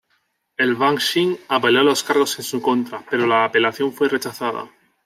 El Wang Xin apeló los cargos en su contra, pero la apelación fue rechazada.